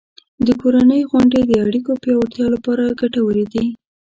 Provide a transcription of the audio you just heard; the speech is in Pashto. د کورنۍ غونډې د اړیکو پیاوړتیا لپاره ګټورې دي.